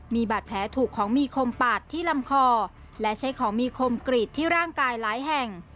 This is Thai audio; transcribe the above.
มีบาดแผลถูกของมีคมปาดที่ลำคอและใช้ของมีคมกรีดที่ร่างกายหลายแห่ง